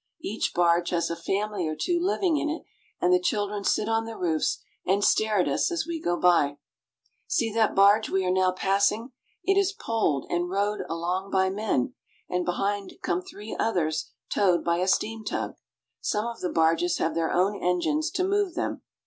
Each barge has a family or two living in it, and the children sit on the roofs and stare at us as we go by. See that barge we are now passing ; it is poled and rowed along by men, and behind ON THE LOWER DANUBE. 303 come three others towed by a steam tug. Some of the barges have their own engines to move them.